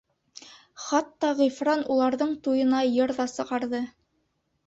Хатта Ғирфан уларҙың туйына йыр ҙа сығарҙы.